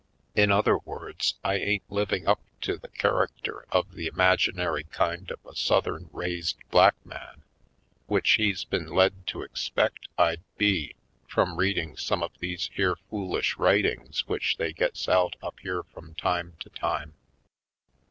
In other words, I ain't living up to the Vet to Zym 195 character of the imaginary kind of a South ern raised black man, which he's been led to expect I'd be from reading some of these here foolish writings which they gets out up here from time to time.